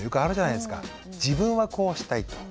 自分はこうしたいと。